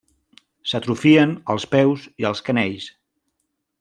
S'atrofien els peus i els canells.